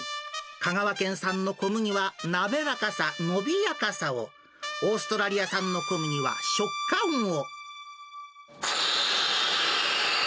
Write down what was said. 香川県産の小麦は、滑らかさ、伸びやかさを、オーストラリア産の小麦は食感を。